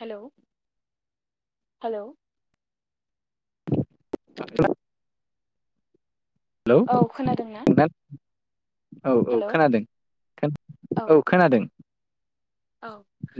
हेल' हेल' [inaudible] hello औ खोनादों ना? औ औ खोनादों खो औ खोनादों। औ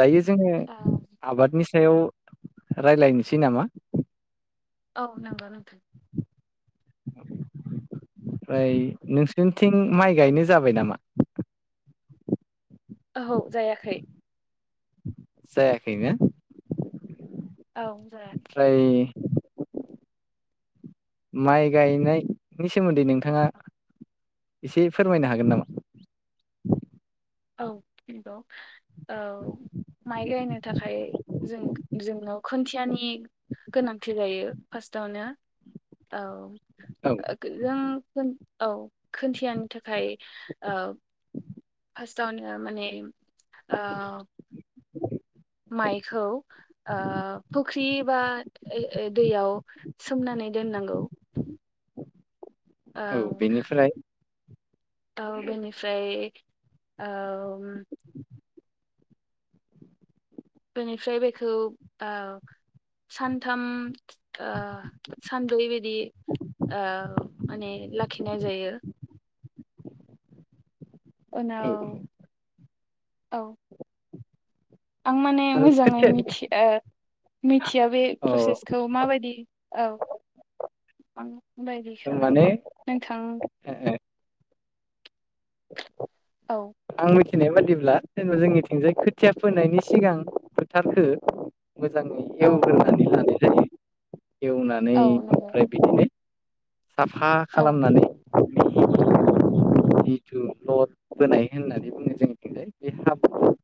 दायो जोङो आबादनि सायाव रायलायनोसै नामा? औ नोंगौ नोंथां। ओमफ्राय नोंसोरनिथिं माइ गायनो जाबाय नामा? औहौ जायाखै। जायाखै ना औ जाया माइ गायनायनि सोमोन्दै नोंथाङा एसे फोरमायनो हागोन नामा? औ नंगौ औ माइ गायनो थाखाय जों जोङो औ खोन्थियानि गोनांथि जायो फासथ आवनो औ औ ओ जों औ खोन्थियानो थाखाय ओ फासथआवनो माने ओ माइखौ ओ फुख्रि बा ए दैयाव सोमनानै दोन्नांगौ औ बेनिफ्राय दा बेनिफ्राय ओम बेनिफ्राय बेखौ ओ सानथाम ओ सानब्रै बिदि ओ माने लाखिनाय जायो। औ उनाव औ आं माने आरो मोजाङै खोथिया मिथिया मिथिया बे अ प्रसेसखौ माबायदि औ आं बायदि माने खालामो नोंथां औ आं मिथिनाय बादिब्ला जेनबा जोंनिथिंजाय खोथिया फोनायनि सिगां फोथारखो मोजाङै औ एवग्रोनानै लानाय जायो एवनानै औ नंगौ ओमफ्राय बिदिनो साफा औ खालामनानै जिथु लद बोनाय होननानै बुङो जोंनिथिंजाय बे हाब्रु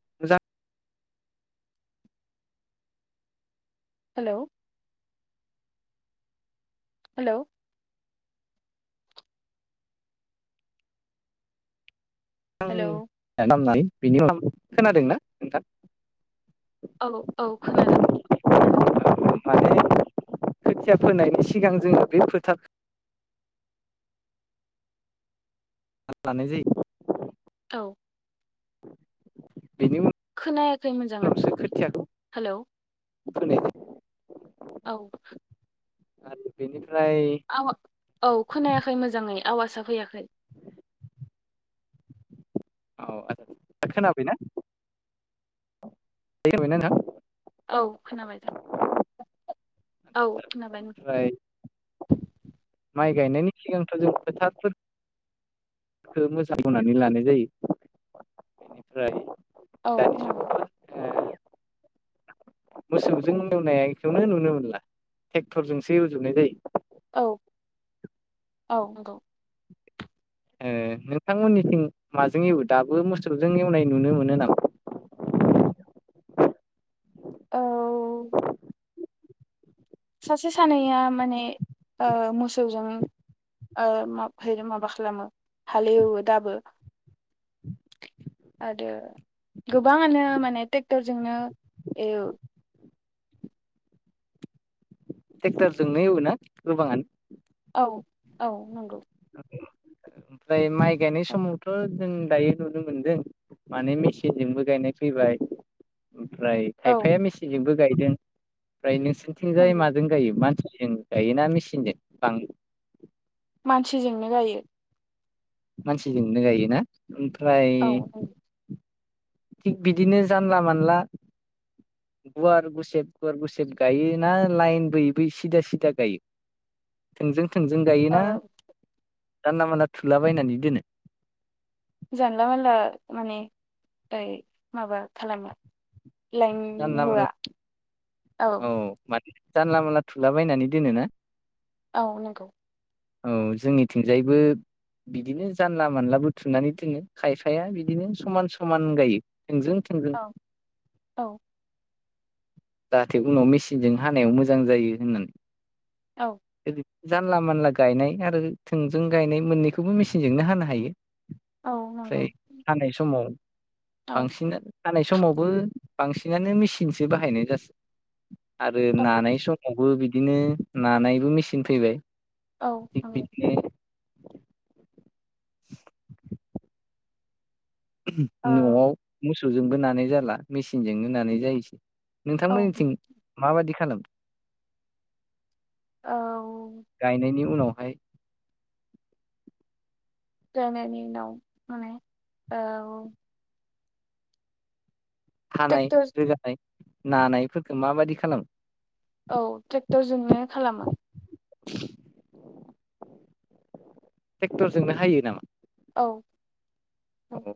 हेलौ हेलौ हेलौ आं [unintelligible] खोनादोंना नोंथां औ औ खोनादों माने खोथिया फोनायनि सिगां जोङो बे फोथार लानाय जायो। औ बेनि उन खोनायाखै मोजाङै नावसो खोथियाखौ हेलौ फोनाय जायो औ आरो बेनि आ औ खोनायाखै मोजाङै आवाजा फैयाखै [inaudible] औ [unintelligible] खोनाबायना [unintelligible] औ खोनाबाय [inaudible] औ खोनाबाय [inaudible] ओमफ्राय माइ गायनायनि सिगांथ' जों फोथारफोर खो मोजां एवनानै लानाय जायो इनिफ्राय औ नंगौ [inaudible] मोसौजों एवनायखौनो नुनो मोनला टेक्टरजोंसो एवजोबनाय जायो। औ औ नंगौ ओ नोंथांमोनथिं माजों एवो दाबो मोसौजों एवनाय नुनो मोनो नामा [inaudible] औ सासे सानैया माने ओ मोसौजों ओ मा फाइले माबा खालामो हालेएवो दाबो आरो गोबाङानो माने ट्रेक्टरजोंनो एवो ट्रेक्टर जोंनो एवो ना गोबाङानो औ औ नंगौ ओमफ्राय माइ गायनाय औ समावथ' जों दायो नुनो मोनदों माने मेसिनजोंबो गायनाय फैबाय ओमफ्राय औ खायफाया मेसिनजोंबो गायदों ओमफ्राय नोंसोरनिथिंजाय नंगौ माजों गायो मानसि जों गायोना मेसिनजों बां मानसिजोंनो गायो मानसिजोंनो गायोना ओमफ्राय औ नंगौ थिग बिदिनो जानला मानला गुवार गुसेब गुवार गुसेब गायो ना लाइन बैयै बै सिदा सिदा गायो थोंजों थोंजों ओ गायोना जानला मानला थुलाबायायनानै दोनो जानला मोनानला माने ओइ माबा खालामो लाइन जानला मानला होआ औ माने जानला मोनानला थुलाबायायनानै दोनोना औ नंगौ औ जोंनिथिंजायबो बिदिनो जानला मानला बुथुनानै दोनो खायफाया बिदिनो समान समान गायो थोंजों थोंजों औ औ जाहाथे उनाव मेचिनजों हानायाव मोजां जायो होननानै औ ओरैनो जानला मानला गायनाय आरो थोंजों गायनाय मोननैखौबो मेसिनजोंनो हानो हायो औ नंगौ ओमफ्राय हानाय समाव औ बांसिन हानाय समावबो बांसिनानो मेसिनसो बाहायनाय जासै आरो औ नानाय समावबो बिदिनो नानायबो मेचिन फैबाय औ थिग औ बिदिनो [inaudible] ओ न'आव मोसौजोंबो नानाय जाला मेचिनजोंनो नानाय जायोसै औ नोंथांमोननिथिं माबादि खालामो औ गायनायनि उनावहाय गायनायनि उनाव माने औ हानाय ट्रेक्टर रोगानाय नानायफोरखौ माबादि खालामो? औ ट्रेक्टरजोंनो खालामो टेक्टरजोंनो हायो नामा? औ औ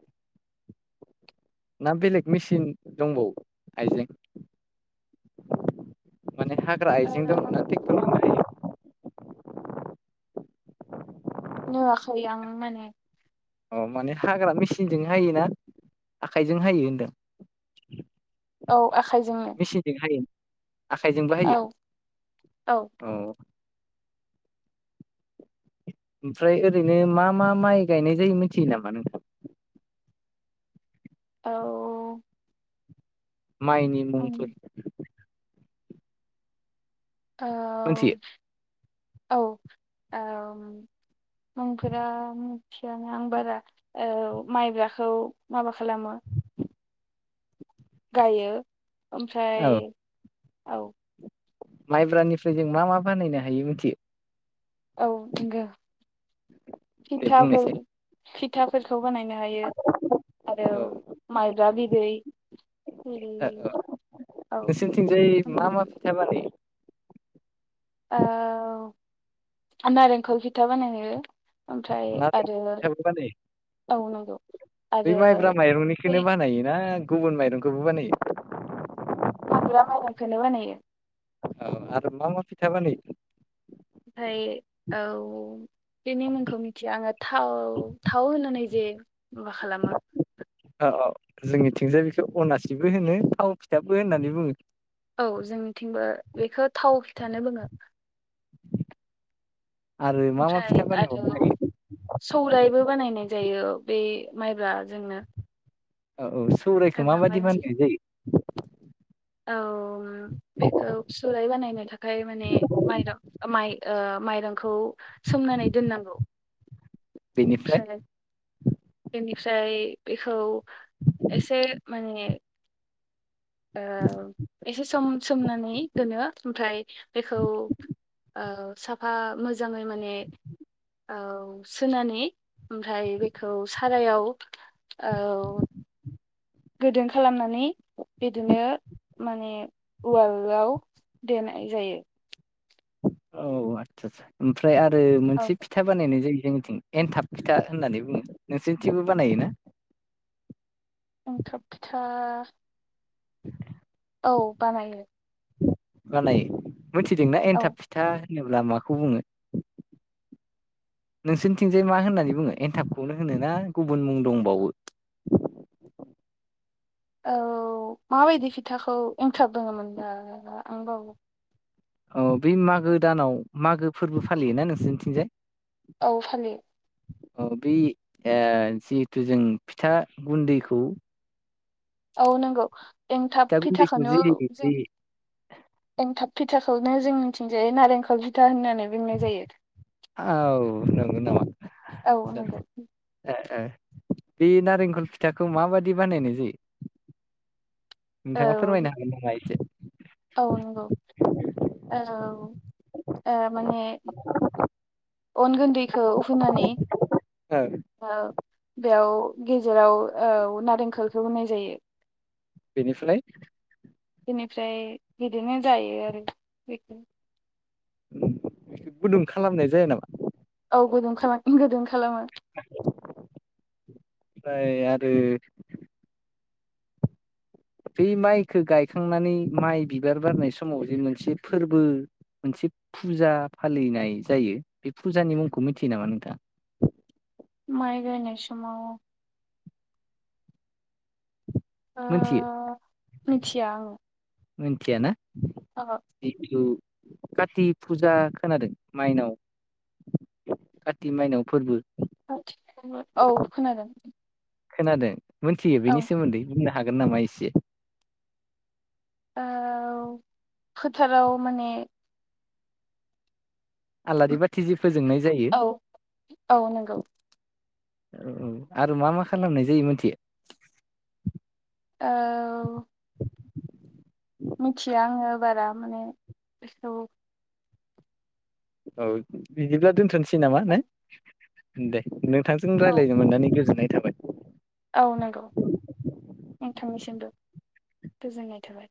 ना बेलेग मेसिन दंबावो आइजें? माने हाग्रा आइजें दं ना ओ टेक्टरजोंनो हायो? नुवाखै आं माने अ माने हाग्रा मेसिनजों हायोना आखाइजों हायो होनदों औ आखाइजोंनो आखाइजोंबोहायो औ औ अ ओमफ्राय ओरैनो मा मा माइ गायनाय जायो मिथियो नामा नोंथां? औ। माइनि मुंफोर। उम औ मिथियो औ औ। मुंफोरा मिथियानो आं बारा औ माइब्राखौ माबा खालामो। गायो औ ओमफ्राय औ। माइब्रानिफ्राय जों मा मा बानायनो हायो मिथियो औ नोंगो। दे फिथाफोर बुंनायसाय फिथाफोरखौ बानायनो हायो। ओ आरो माइब्रा बि दैै। औ औ नोंसिनिथिंजाय मा मा फैथा बानायो? औ नारेंखल फिथा बानायो। ओमफ्राय मा आरो फिथाबो बानायो औ नंगौ। बै आरो माइब्रा बे माइरंनिखोनो बानायोना गुबुन माइरंखौबो बानायो? माइब्रा माइरखौनो बानायो। औ आरो मा मा फिथा बानायो। ओमफ्राय औ बेनि मुंखौ मिथिया आङो थाव थाव होनो नै जे मा खालामो। औ औ जोंनि थिंजाय बिखौ अनासिबो होनो थाव फिथाबो होननानै बुङो। औ जोंनिथिंबो बेखौ थाव फिथानो बुङो [inaudible] मा मा ओमफ्राय फिथा आरो बानायबावनो हायो सौरायबो बानायनाय जायो बे माइब्रा जोंनो औ औ सौरायाइखौ माबायदि बानायनाय जायो? औ बेखौ सौराय बानायनो थाखाय माने माइर माइ ओ माइरंखौ सोमनानै दोननांगौ बेनिफ्राय ओमफ्राय बेनिफ्राय बेखौ एसे माने ओ एसे सम सोमनानै दोनो ओमफ्राय बेखौ ओ साफा मोजाङै माने औ सोनानै ओमफ्राय बेखौ सारायाव औ गोदोन खालामनानै बिदिनो माने वालआव देनाय जायो औ आतसा आसा ओमफ्राय आरो औ मोनसे फिथा बानायनाय जायो जों थिं एनथाब फिथा होननानै बुङो नोंसोरनिथिंबो बानायोना? एनथाब फिथा औ बानायो बानायो मिथिदोंना औ एनथाब फिथा होनोब्ला माखौ बुङो? [inaudible] नोंसोरनिथिंजाय मा होननानै बुङो एन्थाबखौनो होनो ना गुबुन मुं दंबावो औ माबायदि फिथाखौ एन्थाब होनोमोन दा आं बाव औ बै मागो दानाव मागो फोरबो फालियोना नोंसोरनिथिंजाय औ फानलियो अ बे ओ जिहेथु जों फिथा गुन्दैखौ औ नंगौ एंथाब फिथा गुन्दैखौ फिथाखौनो जि जों जि एंथाब फिथा फिथाखौनो जोंनिथिंनजाय नारेंखल फिथा होनो आरो। औ नंगौ नामा औ ओ नंगौ ओ बे नारेंखल फिथाखौ माबायि बानायनाय जायो नोंथाङा फोरमायनो औ हागोन नामा एसे। औ नंगौ औ आ माने अन गुन्दैखौ हुानानै औ बेयाव गेजेराव आव नारेंखखौ होनाय जायो बेनिफ्राय? बेनिफ्राय बिदिनो जायो आरो बेखौ। गुदुं खालामनाय जाया नामा? औ गुदुं खालाम गुदुं खालामो। आमफ्राय आरो बे माइखौ गायखांनानै माइ बिबार बारनाय समाव जे मोनसे फोरबो मोनसे फुजा फालिनाय जायो। बे फुजानि मुंखौ मिथियो नामा नोंथां? माय गायनाय समाव मोनथियो ओ मिथिया आङो। मिथिया ना ओहो जिथु काति फुजा खोनादों माइनाव काति माइनाव फोरबो? काथि फोर्बो औ खोनादों। खोनादों, मोनथियो औ बेनि सोमोन्दै? बुंनो हागोन नामा एसे? औ फोथाराव माने आलारि बाथि जि फोजोंनाय जायो औ औ नंगौ औ आरो मा मा खालामनाय जायो मोनथियो? औ मिथिया आङो बारा माने बेखौ। औ बिदिब्ला दोन्थ'नोसै नामा ने दे। नोंथांजों औ रायज्लायनो मोन्नानै गोजोननाय थाबाय। औ नंगौ नोंथांनिसिमबो गोजोननाय थाबाय।